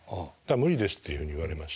「無理です」っていうふうに言われまして。